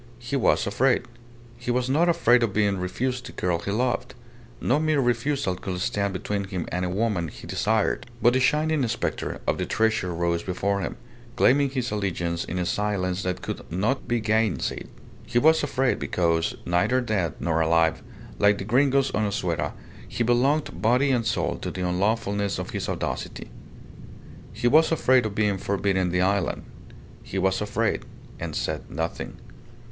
He was afraid. He was not afraid of being refused the girl he loved no mere refusal could stand between him and a woman he desired but the shining spectre of the treasure rose before him, claiming his allegiance in a silence that could not be gainsaid. He was afraid, because, neither dead nor alive, like the Gringos on Azuera, he belonged body and soul to the unlawfulness of his audacity. He was afraid of being forbidden the island. He was afraid, and said nothing.